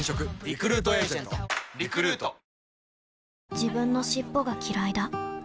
自分の尻尾がきらいだ